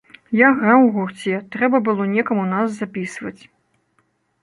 Я граў у гурце, трэба было некаму нас запісваць.